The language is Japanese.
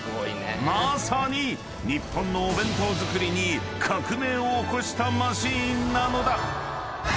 ［まさに日本のお弁当作りに革命を起こしたマシンなのだ］